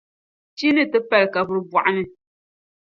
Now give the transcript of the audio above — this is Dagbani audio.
Chi ni ti pali kaburi bɔɣa ni;